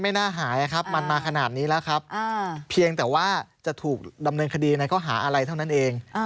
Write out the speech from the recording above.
น่าหายครับมันมาขนาดนี้แล้วครับเพียงแต่ว่าจะถูกดำเนินคดีในข้อหาอะไรเท่านั้นเอง